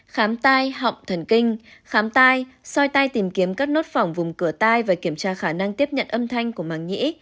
khám tai họng thần kinh khám tai soi tay tìm kiếm các nốt phỏng vùng cửa tai và kiểm tra khả năng tiếp nhận âm thanh của màng nhĩ